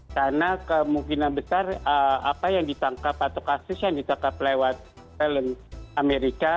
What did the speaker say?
karena kemungkinan besar apa yang ditangkap atau kasus yang ditangkap lewat amerika